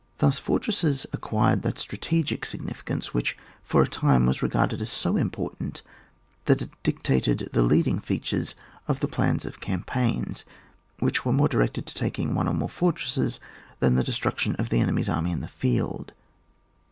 Thus for tresses acquired that strategic signifi cance which for a time was regarded aa so important that it dictated the leading features of the plans of campaigns, which were more directed to the taking of one or more fortresses than the destruction of the enemy's army in the field.